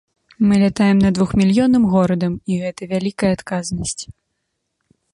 Мы лятаем над двух мільённым горадам, і гэта вялікая адказнасць.